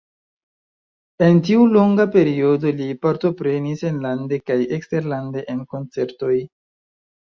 En tiu longa periodo li partoprenis enlande kaj eksterlande en koncertoj.